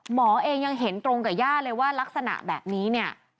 หมอเองยังเห็นตรงกับย่าเลยว่ารักษณะแบบนี้เนี่ย